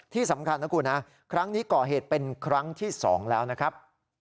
ที่สำคัญนะคุณนะครั้งนี้ก่อเหตุเป็นครั้งที่๒แล้วนะครับ